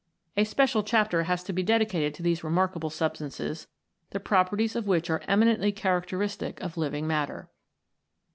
A special chapter has to be dedicated to these remarkable substances, the properties of which are eminently characteristic of living matter.